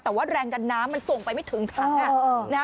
แต่ว่าแรงดันน้ำมันส่งไปไม่ถึงครั้ง